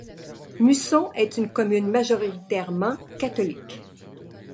Musson est une commune majoritairement catholique.